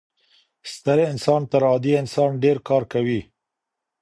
ستر انسان تر عادي انسان ډیر کار کوي.